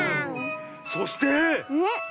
そして！